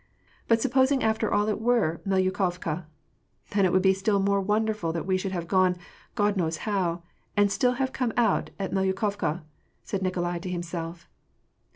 — But supposing after all it were Melyukovka, then it would be still more wonderful that we should have gone, God knows how, and still haVe come out at Melyukovka !" said Nikolai to himself.